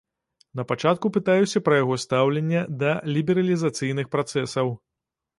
Напачатку пытаюся пра яго стаўленне да лібералізацыйных працэсаў.